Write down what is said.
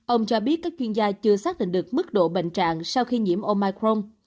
ông cho biết các chuyên gia chưa xác định được mức độ bệnh trạng sau khi nhiễm omicron